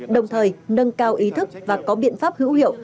đồng thời nâng cao ý thức và có biện pháp hữu hiệu